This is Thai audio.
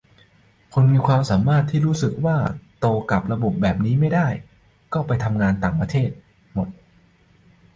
คนมีความสามารถที่รู้สึกว่าโตกับระบบแบบนี้ไม่ได้ก็ไปทำงานต่างประเทศหมด